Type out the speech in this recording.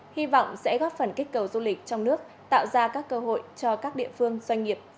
hy vọng sẽ góp phần kích cầu du lịch trong nước tạo ra các cơ hội cho các địa phương doanh nghiệp